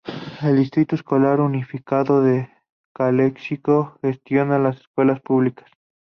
El Distrito Escolar Unificado de Calexico gestiona las escuelas públicas.